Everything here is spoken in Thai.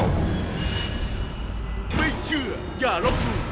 ไม่เชื่ออย่าลบหลู่